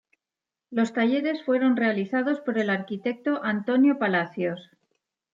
Los talleres fueron realizados por el arquitecto Antonio Palacios.